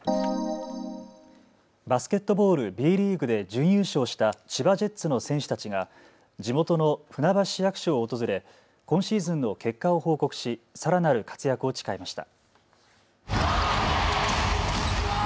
バスケットボールＢリーグで準優勝した千葉ジェッツの選手たちが地元の船橋市役所を訪れ、今シーズンの結果を報告しさらなる活躍を誓いました。